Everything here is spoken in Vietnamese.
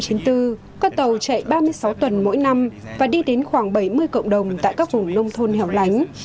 các tàu chạy ba mươi sáu tuần mỗi năm và đi đến khoảng bảy mươi cộng đồng tại các vùng nông thôn hẻo lánh